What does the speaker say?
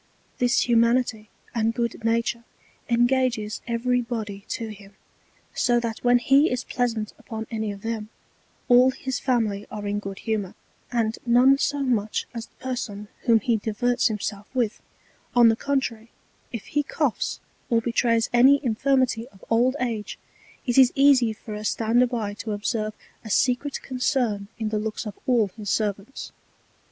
This Humanity and good Nature engages every Body to him, so that when he is pleasant upon any of them, all his Family are in good Humour, and none so much as the Person whom he diverts himself with: On the contrary, if he coughs, or betrays any Infirmity of old Age, it is easy for a Stander by to observe a secret Concern in the Looks of all his Servants.